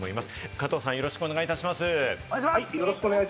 加藤さん、よろしくお願いします。